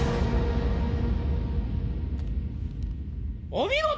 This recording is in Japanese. お見事！